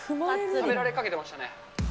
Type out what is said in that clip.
食べられかけてましたね。